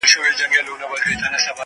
څنګه خلګ دوه پاسپورټونه ترلاسه کوي؟